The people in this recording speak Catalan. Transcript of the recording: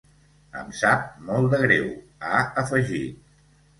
Em sap molt de greu, ha afegit.